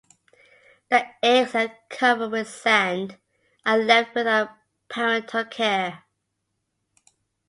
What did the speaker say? The eggs are covered with sand and left without parental care.